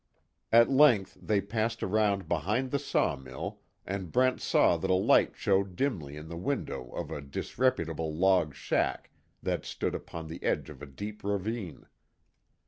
At length they passed around behind the sawmill and Brent saw that a light showed dimly in the window of a disreputable log shack that stood upon the edge of a deep ravine.